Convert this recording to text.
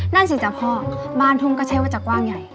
นั่นสิจ๊ะพ่อบ้านทุ่งก็ใช่ว่าจะกว้างใหญ่